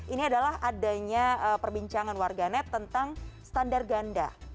ini adalah adanya perbincangan warga net tentang standar ganda